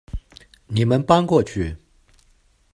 你们搬过去